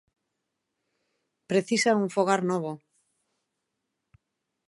Precisan un fogar novo.